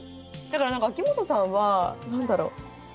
だから秋元さんは何だろう。